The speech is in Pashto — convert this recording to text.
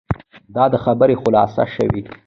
دا دی خبره خلاصه شوه.